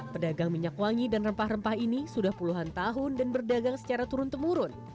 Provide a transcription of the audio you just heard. pedagang minyak wangi dan rempah rempah ini sudah puluhan tahun dan berdagang secara turun temurun